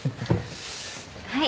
はい。